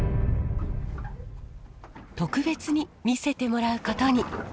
特別に見せてもらうことに。